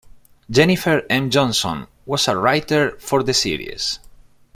Jennifer M. Johnson was a writer for the series.